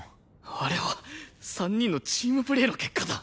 あれは３人のチームプレーの結果だ。